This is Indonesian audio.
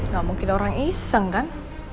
gak mungkin orang iseng kan